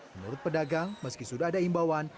menurut pedagang meski sudah ada imbauan